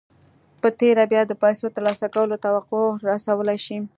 په تېره بيا د پيسو ترلاسه کولو توقع رسولای شئ.